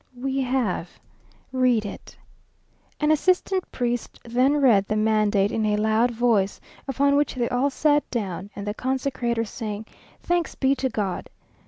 "We have." "Read it." An assistant priest then read the mandate in a loud voice; upon which they all sat down, and the consecrator saying, "Thanks be to God!"